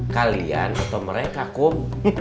kalian atau mereka kum